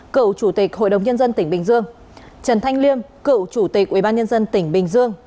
cựu chủ tịch hội đồng nhân dân tỉnh bình dương trần thanh liêm cựu chủ tịch ubnd tỉnh bình dương